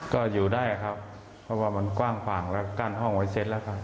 ก็อยู่ได้ครับเพราะว่ามันกว้างขวางแล้วกั้นห้องไว้เสร็จแล้วกัน